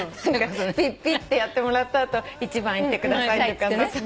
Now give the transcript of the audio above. ピッピッてやってもらった後１番行ってくださいとかさ。